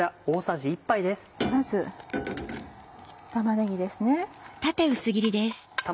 まず玉ねぎですね。